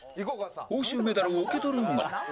報酬メダルを受け取るが